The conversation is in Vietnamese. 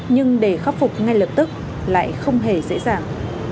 nhưng để khắc phục ngay lập tức lại không hề dễ dàng